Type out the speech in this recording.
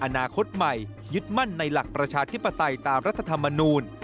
อนาคตใหม่ยึดมั่นในหลักประชาธิปไตยตามรัฐธรรมนูล